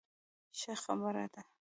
ښه خبره ده.